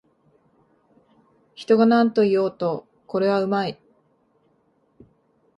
人がなんと言おうと、これはうまい